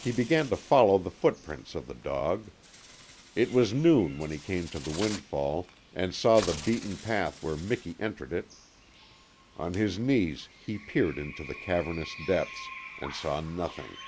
He began to follow the footprints of the dog. It was noon when he came to the windfall and saw the beaten path where Miki entered it. On his knees he peered into the cavernous depths and saw nothing.